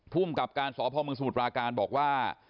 พุ่มกับการสพสมุทราการบอกว่า